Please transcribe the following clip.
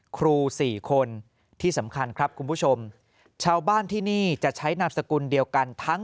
ครูสี่คนที่สำคัญครับคุณผู้ชมชาวบ้านที่นี่จะใช้นามสกุลเดียวกันทั้ง